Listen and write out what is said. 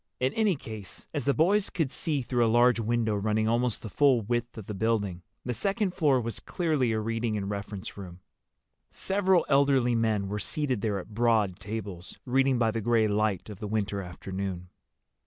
In any case, as the boys could see through a large window running almost the full width of the building, the second floor was clearly a reading and reference room. Several elderly men were seated there at broad tables, reading by the gray light of the winter afternoon.